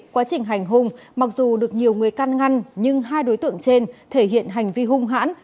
quá trình hành hung mặc dù được nhiều người căn ngăn nhưng hai đối tượng trên thể hiện hành vi hung hãn